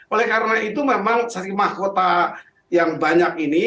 oleh karena itu memang dari mahkota yang banyak ini